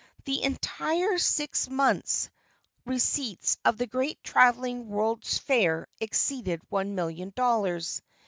The entire six months' receipts of the Great Travelling World's Fair exceeded one million dollars.